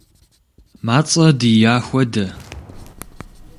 Мацӏэ дия хуэдэ.